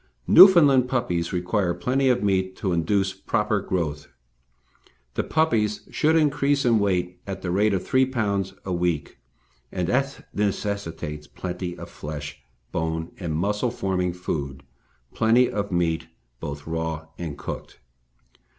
Newfoundland puppies require plenty of meat to induce proper growth. The puppies should increase in weight at the rate of 3 lbs. a week, and this necessitates plenty of flesh, bone and muscle forming food, plenty of meat, both raw and cooked.